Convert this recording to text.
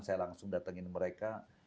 saya langsung datangin mereka